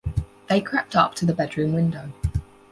They crept up to the bedroom window.